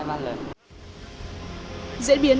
và làm việc sử dụng